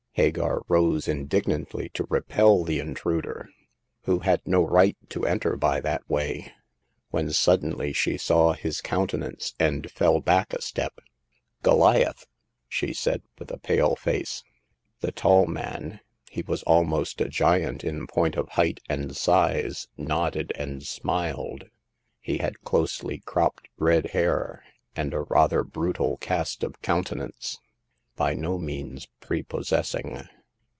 Hagar rose indignantly to repel the intruder, who had no right to enter by that way, when suddenly she saw his countenance, and fell back a step. " Goliath !" she said with a pale face. The tall man— he was almost a giant in point of height and size— nodded and smiled. He had closely cropped red hair, and a rather brutal cast of countenance, by no means prepossessing.